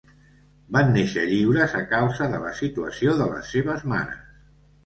Van néixer lliures a causa de la situació de les seves mares.